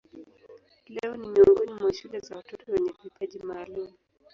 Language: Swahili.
Leo ni miongoni mwa shule za watoto wenye vipaji maalumu.